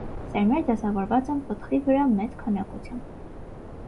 Սերմերը դասավորված են պտղի վրա մեծ քանակությամբ։